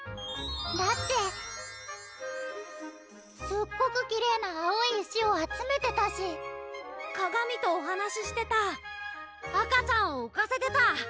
だってすっごくきれいな青い石を集めてたし鏡とお話してた赤ちゃんをうかせてた！